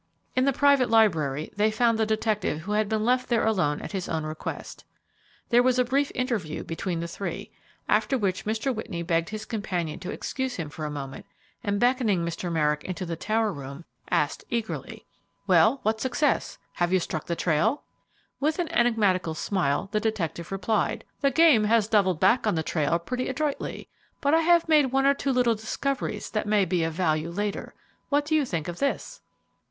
In the private library they found the detective who had been left there alone at his own request. There was a brief interview between the three, after which Mr. Whitney begged his companion to excuse him for a moment, and beckoning Mr. Merrick into the tower room, asked eagerly, "Well, what success? Have you struck the trail?" With an enigmatical smile, the detective replied, "The game has doubled back on the trail pretty adroitly, but I have made one or two little discoveries that may be of value later. What do you think of this?"